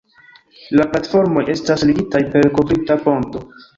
La platformoj estas ligitaj per kovrita ponto.